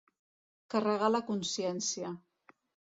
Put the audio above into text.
Carregar la consciència.